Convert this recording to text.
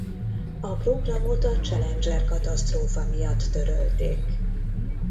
A programot a Challenger-katasztrófa miatt törölték.